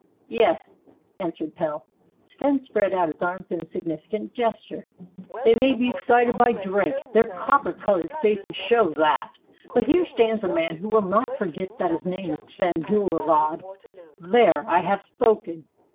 "Yes," answered Pelle. Sven spread out his arms in a significant gesture. "They may be excited by drink, their copper colored faces show that; but here stands a man who will not forget that his name is Sven Dillhufvud. There, I have spoken!